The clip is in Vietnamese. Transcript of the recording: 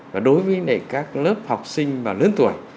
và đối với các lớp học sinh mà lớn tuổi